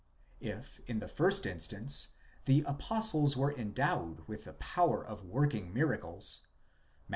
If in the first instance the apostles were endowed with the power of working miracles (Matt.